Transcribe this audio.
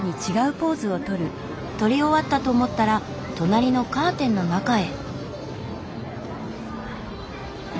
撮り終わったと思ったら隣のカーテンの中へ。